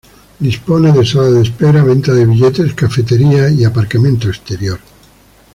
Dispone de sala de espera, venta de billetes, cafetería y aparcamiento exterior.